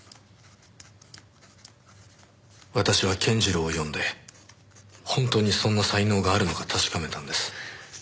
私は健次郎を呼んで本当にそんな才能があるのか確かめたんです。